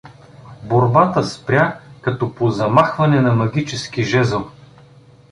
Борбата спря като по замахване на магически жезъл.